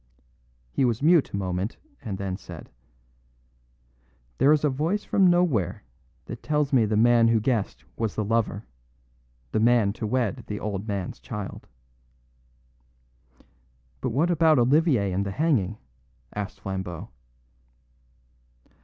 He was mute a moment, and then said: "There is a voice from nowhere that tells me the man who guessed was the lover... the man to wed the old man's child." "But what about Olivier and the hanging?" asked Flambeau.